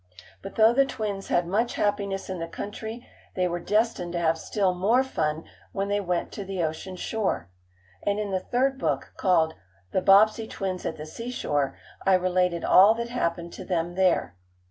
But though the twins had much happiness in the country they were destined to have still more fun when they went to the ocean shore, and in the third book, called "The Bobbsey Twins at the Seashore," I related all that happened to them there.